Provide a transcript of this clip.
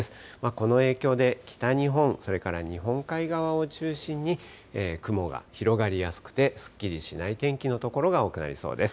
この影響で、北日本、それから日本海側を中心に雲が広がりやすくてすっきりしない天気の所が多くなりそうです。